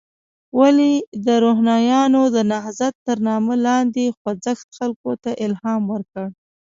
ولې د روښانیانو د نهضت تر نامه لاندې خوځښت خلکو ته الهام ورکړ.